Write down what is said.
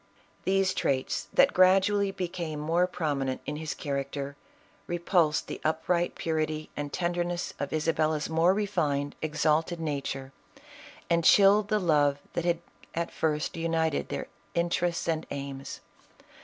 These traits that gradually became more prominent in his character, repulsed the upright purity and ten ISABELLA OF CASTILE. 107 derness of Isabella's more refined, exalted nature, and chilled the love that had at first united their interests and aims.